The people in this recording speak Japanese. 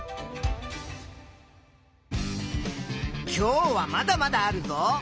今日はまだまだあるぞ。